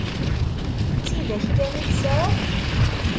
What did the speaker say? D tidak kan i tesɛiḍ?